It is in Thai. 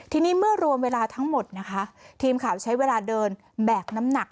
ทีนี้เมื่อรวมเวลาทั้งหมดนะคะทีมข่าวใช้เวลาเดินแบกน้ำหนัก